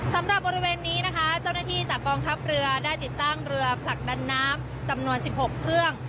สำหรับบริเวณนี้นะคะเจ้าหน้าที่จากกองทัพเรือได้ติดตั้งเรือผลักดันน้ำจำนวน๑๖เครื่อง